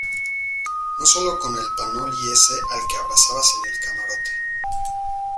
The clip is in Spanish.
no solo con el panoli ese al que abrazabas en el camarote.